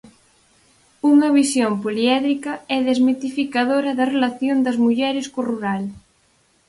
Unha visión poliédrica e desmitificadora da relación das mulleres co rural.